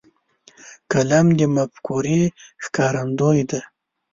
قلم د مفکورې ښکارندوی دی.